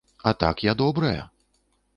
А так я добрая!